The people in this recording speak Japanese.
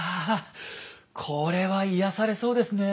これは癒やされそうですねえ。